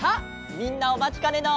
みんなおまちかねの。